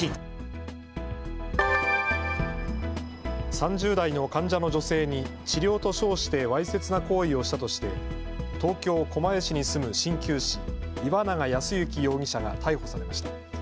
３０代の患者の女性に治療と称してわいせつな行為をしたとして東京狛江市に住むしんきゅう師、岩永康幸容疑者が逮捕されました。